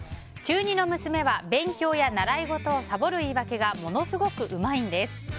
中２の娘は勉強や習い事をさぼる言い訳がものすごくうまいんです。